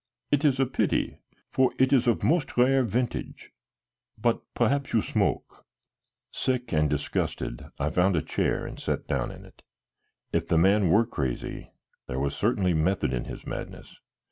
"It is a pity, for it is of most rare vintage. But perhaps you smoke?" Sick and disgusted, I found a chair, and sat down in it. If the man were crazy, there was certainly method in his madness.